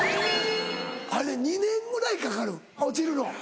あれ２年ぐらいかかる落ちるの。